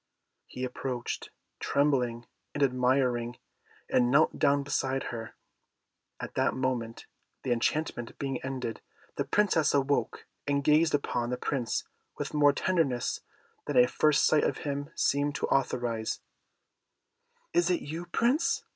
He approached, trembling and admiring, and knelt down beside her. At that moment, the enchantment being ended, the Princess awoke, and gazing upon the Prince with more tenderness than a first sight of him seemed to authorize, "Is it you, Prince?"